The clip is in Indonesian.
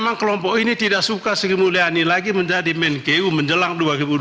memang kelompok ini tidak suka sri mulyani lagi menjadi menkeu menjelang dua ribu dua puluh